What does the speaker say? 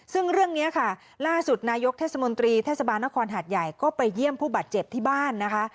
ซึ่งเรื่องนี้ค่ะล่าสุดนายกเทศมนตรีเทศบาลนครหาดใหญ่ก็ไปเยี่ยมผู้บาดเจ็บที่บ้านนะคะ